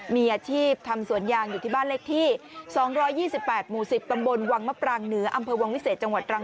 มีอาชีพทำสวนยางอยู่ที่บ้านเลขที่๒๒๘หมู่๑๐ตำบลวังมะปรางเหนืออำเภอวังวิเศษจังหวัดตรัง